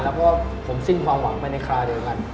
เพราะว่าผมสิ้นความหวังไปในคราเดียวกัน